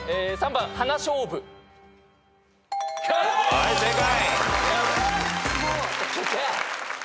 はい正解。